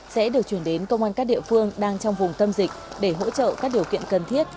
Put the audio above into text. sẽ được chuyển đến công an các địa phương đang trong vùng tâm dịch để hỗ trợ các điều kiện cần thiết